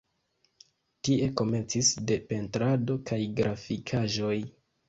Tie komencis de pentrado kaj grafikaĵoj.